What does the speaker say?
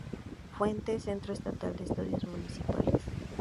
Fuente: Centro Estatal de Estudios Municipales.